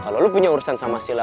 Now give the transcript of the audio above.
kalau lo punya urusan sama sila